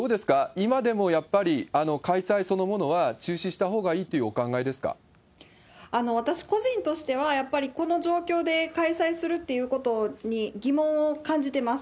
今でもやっぱり、開催そのものは中止したほうがいいというお考えで私個人としては、やっぱりこの状況で開催するっていうことに疑問を感じてます。